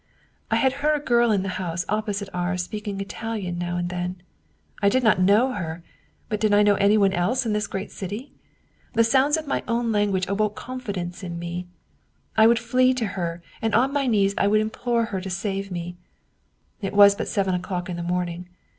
I had heard a girl in the house opposite ours speaking Italian now and then. I did not know her but did I know anyone else in this great city? The sounds of my own language awoke confidence in me! I would flee to her and on my knees I would implore her to save me. " It was but seven o'clock in the morning.